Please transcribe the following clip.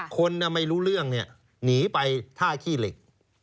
คนไม่รู้เรื่องเนี่ยหนีไปท่าขี้เหล็ก